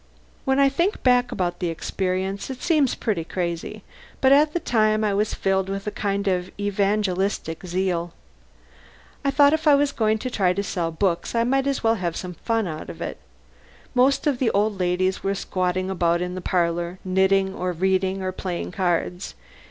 When I think back about the experience, it seems pretty crazy, but at the time I was filled with a kind of evangelistic zeal. I thought if I was going to try to sell books I might as well have some fun out of it. Most of the old ladies were squatting about in the parlour, knitting or reading or playing cards.